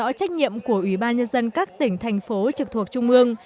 rõ trách nhiệm của ủy ban nhân dân các tỉnh thành phố trực thuộc trung ương